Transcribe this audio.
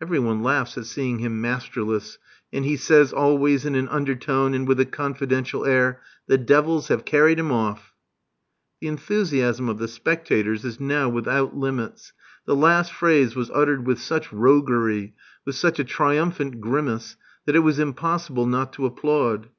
Every one laughs at seeing him masterless; and he says, always in an under tone and with a confidential air: "The devils have carried him off!" The enthusiasm of the spectators is now without limits. The last phrase was uttered with such roguery, with such a triumphant grimace, that it was impossible not to applaud.